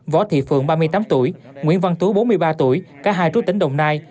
võ thị phượng ba mươi tám tuổi nguyễn văn tú bốn mươi ba tuổi cả hai trú tỉnh đồng nai